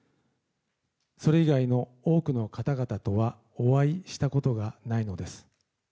それ以外の多くの方々とはお会いしたことがないのです。